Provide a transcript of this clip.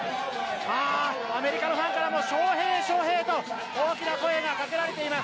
アメリカのファンからもショーヘイ、ショーヘイと大きな声がかけられています。